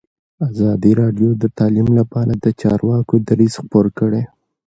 ازادي راډیو د تعلیم لپاره د چارواکو دریځ خپور کړی.